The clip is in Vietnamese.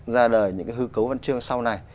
ra đời những hư cấu văn chương sau này